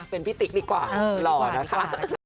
เป็นพี่ติ๊กดีกว่าหล่อนะคะ